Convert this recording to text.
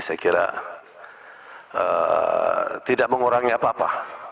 saya kira tidak mengurangi apa apa